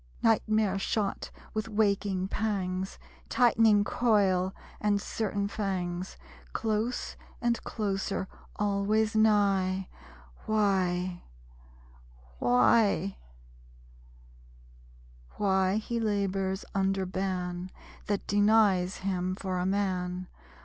Nightmare shot with waking pangs; Tightening coil, and certain fangs, Close and closer, always nigh ...... Why?... Why? Why he labors under ban That denies him for a man.